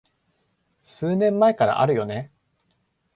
数年前からあるよね